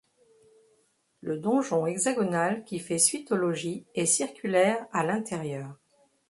Le donjon hexagonal qui fait suite au logis est circulaire à l'intérieur.